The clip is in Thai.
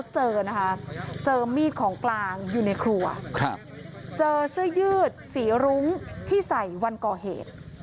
เจอนะคะเจอมีดของกลางอยู่ในครัวเจอเสื้อยืดสีรุ้งที่ใส่วันก่อเหตุ